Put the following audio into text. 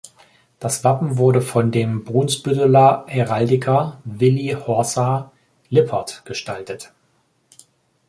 Das Wappen wurde von dem Brunsbütteler Heraldiker Willy „Horsa“ Lippert gestaltet.